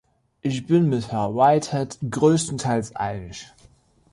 Ich bin mit Herrn Whitehead größtenteils einig.